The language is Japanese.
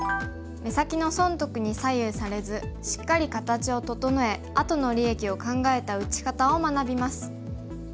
目先の損得に左右されずしっかり形を整えあとの利益を考えた打ち方を学びます。